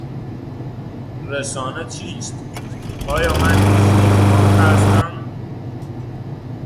رسانه چیست؟ آیا من نیز یک مرغ هستم؟